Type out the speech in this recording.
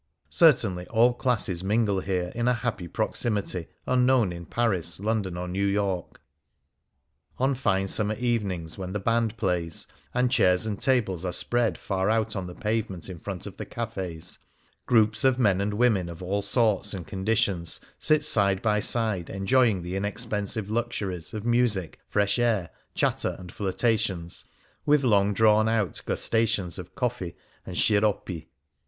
Certainly all classes mingle here in a happy proximity unknown in Paris, London, or New York. On fine summer evenings when the band plays, and chairs and tables are spread far out on the pavement in front of the cafes, groups of men and women of all sorts and con ditions sit side by side, enjoying the inexpensive luxuries of music, fresh air, chatter, and flirta tions, with long drawn out gustations of coffee and sciroppi.